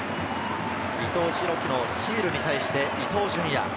伊藤洋輝のヒールに対して伊東純也。